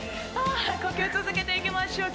呼吸続けていきましょう。